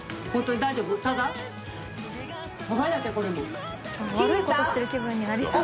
与田）悪いことしてる気分になりそう。